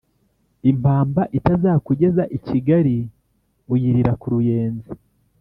Impamba itazakugeza i Kigali uyirira ku Ruyenzi.